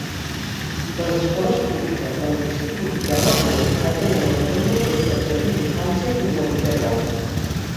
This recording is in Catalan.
Les escoles públiques del municipi de Rockaway atenen els alumnes des del jardí d'infància fins al vuitè grau.